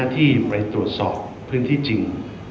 ที่ไปตรวจสอบพื้นที่จริง